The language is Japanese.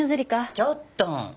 ちょっと！